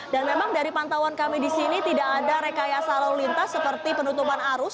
dan memang dari pantauan kami di sini tidak ada rekayasa lalu lintas seperti penutupan arus